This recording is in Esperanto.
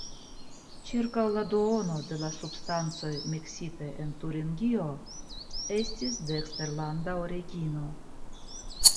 Ĉirkaŭ la duono de la substancoj miksitaj en Turingio estis de eksterlanda origino.